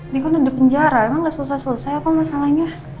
dia kan udah penjara emang gak selesai selesai apa masalahnya